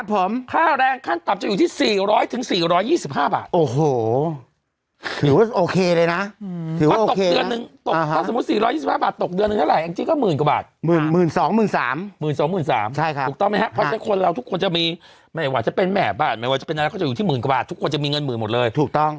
๒๓๐๐๐บาทถูกต้องไหมครับเพราะฉะนั้นเราทุกคนจะมีไม่ว่าจะเป็นแหม่บไม่ว่าจะเป็นอะไรก็จะอยู่ที่๑๐๐๐๐กว่าทุกคนจะมีเงิน๑๐๐๐๐บาทถูกต้อง